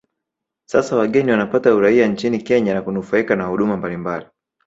Sasa wageni wanapata uraia nchini Kenya na kunufaika na huduma mbalimbali